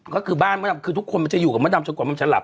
ก็คือบ้านมดดำคือทุกคนมันจะอยู่กับมดดำจนกว่ามันจะหลับ